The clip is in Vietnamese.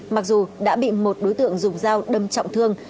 mặc dù đã bị một đối tượng dùng dao đâm trọng thương